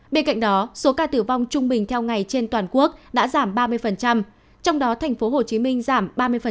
bên cạnh đó số ca tử vong trung bình theo ngày trên toàn quốc đã giảm ba mươi trong đó thành phố hồ chí minh giảm ba mươi